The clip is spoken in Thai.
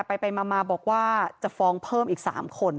ไปมาบอกว่าจะฟ้องเพิ่มอีก๓คน